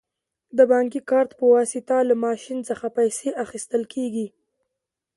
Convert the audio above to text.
د بانکي کارت په واسطه له ماشین څخه پیسې اخیستل کیږي.